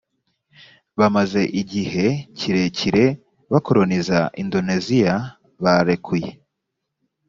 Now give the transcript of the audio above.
bamaze igihe kirekire bakoroniza indoneziya barekuye